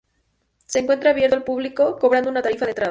Se encuentra abierto al público, cobrando una tarifa de entrada.